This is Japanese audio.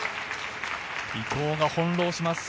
伊藤が翻ろうします。